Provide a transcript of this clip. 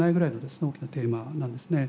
大きなテーマなんですね。